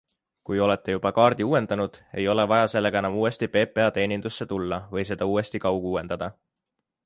Kui olete juba kaardi uuendanud, ei ole vaja sellega enam uuesti PPA teenindusse tulla või seda uuesti kauguuendada.